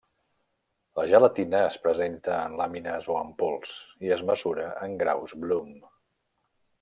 La gelatina es presenta en làmines o en pols, i es mesura en graus Bloom.